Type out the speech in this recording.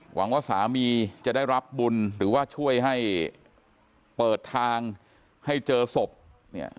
หวังว่าสามีจะได้รับบุญหรือว่าช่วยให้เปิดทางให้เจอศพเนี่ย